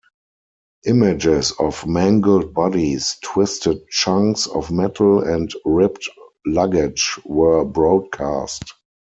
Images of mangled bodies, twisted chunks of metal and ripped luggage were broadcast.